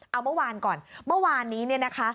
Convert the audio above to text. เอาเมื่อวานก่อนเมื่อวานนี้เนี่ยนะคะ